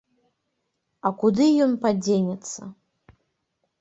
А куды ён падзенецца!